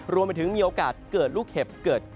รวมไปถึงมีโอกาสเกิดลูกเห็บเกิดขึ้นด้วย